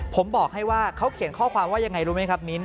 ผมบอกให้ว่าเขาเขียนข้อความว่ายังไงรู้ไหมครับมิ้น